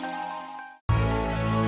tapi agak susah juga ya